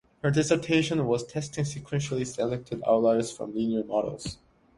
Her dissertation was "Testing Sequentially Selected Outliers from Linear Models".